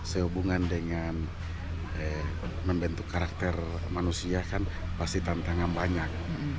sehubungan dengan membentuk karakter manusia kan pasti tantangan banyak